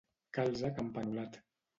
Calze campanulat.